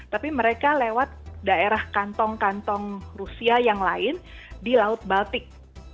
tapi mereka lewat daerah kantong kantong rusia yang lain di laut baltik